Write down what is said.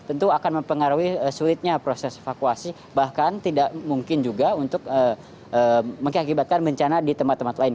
tentu akan mempengaruhi sulitnya proses evakuasi bahkan tidak mungkin juga untuk mengakibatkan bencana di tempat tempat lain